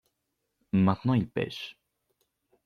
Maintenant ils pêchent.